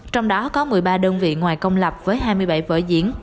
trong đó có một mươi ba đơn vị ngoài công lập với hai mươi bảy vở diễn